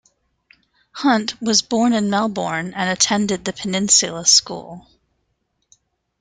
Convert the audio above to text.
Hunt was born in Melbourne and attended the Peninsula School.